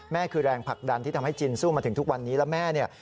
คือแรงผลักดันที่ทำให้จินสู้มาถึงทุกวันนี้แล้วแม่เนี่ย